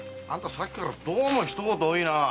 さっきからどうも一言多いなぁ。